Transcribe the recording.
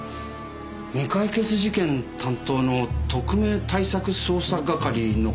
未解決事件担当の特命対策捜査係の方ですか？